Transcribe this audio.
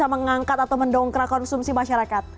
bisa mengangkat atau mendongkrak konsumsi masyarakat